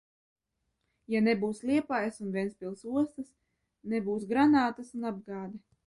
Ja nebūs Liepājas un Ventspils ostas, nebūs granātas un apgāde.